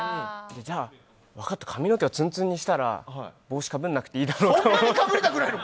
じゃあ、分かった髪の毛をツンツンにしたら帽子かぶらなくていいだろうと。